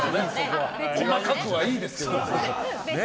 細かくはいいですけど。